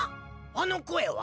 あの声は？